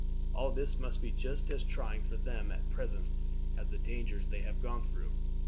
All this must be just as trying for them at present as the dangers they have gone through."